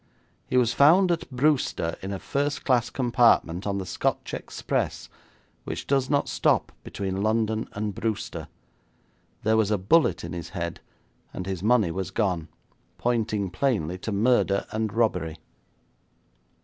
He was found at Brewster in a first class compartment on the Scotch Express, which does not stop between London and Brewster. There was a bullet in his head, and his money was gone, pointing plainly to murder and robbery.'